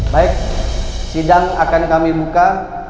baik sidang akan kami buka